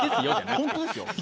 本当ですよ。